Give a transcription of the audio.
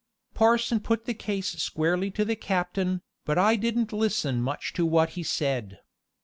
Parson put the case squarely to the captain, but I didn't listen much to what he said.